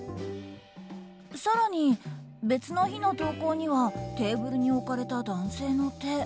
更に別の日の投稿にはテーブルに置かれた男性の手。